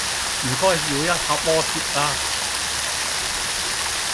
唔該，要一客鍋貼吖